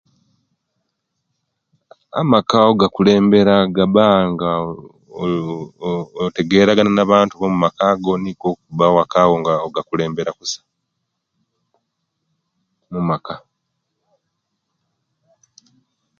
Amaka ogakulembera gabba nga, ori ooh ooh otegeragana na'bantu bomaka go nikwo okuba wakawo nga ogakulembera kusa; amaka.